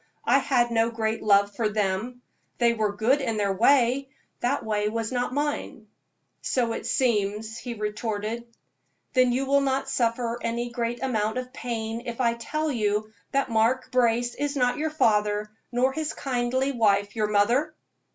I had no great love for them. They were good in their way that way was not mine." "So it seems," he retorted. "Then you will not suffer any great amount of pain if I tell you that Mark Brace is not your father, nor his kindly wife your mother?"